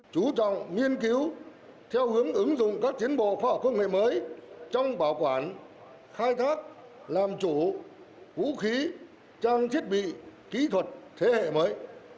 chú trọng nghiên cứu theo hướng ứng dụng các tiến bộ khoa học công nghệ mới trong bảo quản khai thác làm chủ vũ khí trang thiết bị kỹ thuật thế hệ mới